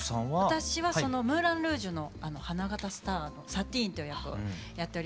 私はそのムーラン・ルージュの花形スターのサティーンという役をやっておりまして。